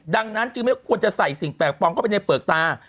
ดังนั้นจึงไม่ควรจะใส่สิ่งแปลกปลอมเข้าไปในเปลือกตา